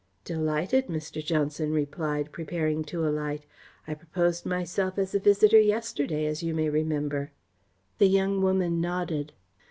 "Delighted," Mr. Johnson replied, preparing to alight. "I proposed myself as a visitor yesterday, as you may remember." The young woman nodded.